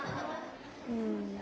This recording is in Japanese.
うん。